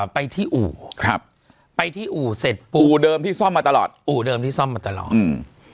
ไปที่อู่ครับไปที่อู่เสร็จอู่เดิมที่ซ่อมมาตลอดอู่เดิมที่ซ่อมมาตลอดอืม